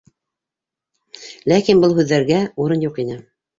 Ләкин был һүҙҙәргә урын юҡ ине.